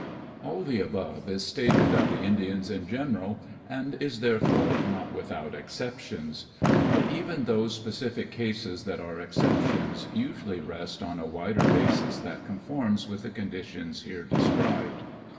All the above is stated of the Indians in general, and is there fore not without exceptions. But even those specific cases that are exceptions usually rest on a wider basis that conforms with the conditions here described.